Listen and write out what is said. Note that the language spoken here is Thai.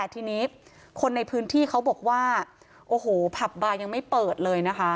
ทีนี้คนในพื้นที่เขาบอกว่าโอ้โหผับบาร์ยังไม่เปิดเลยนะคะ